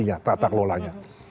ini administrasi tata kelolanya